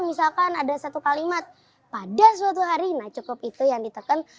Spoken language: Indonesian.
misalkan ada satu kalimat pada suatu hari nah cukup itu yang diteken